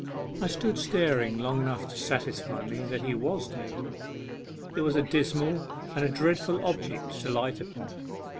I stood staring long enough to satisfy me that he was dead. It was a dismal and a dreadful object to light upon.